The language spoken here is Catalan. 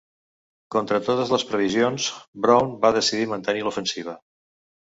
Contra totes les previsions, Brown va decidir mantenir l'ofensiva.